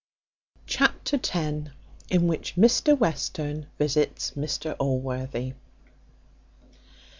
Chapter x. In which Mr Western visits Mr Allworthy.